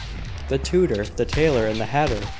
"The tutor, the tailor, and the hatter.